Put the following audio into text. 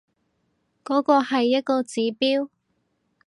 嗰個係一個指標